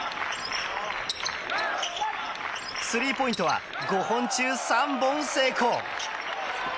スリーポイントは５本中３本成功！